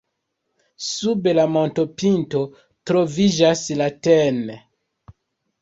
Sub la montopinto troviĝas la tn.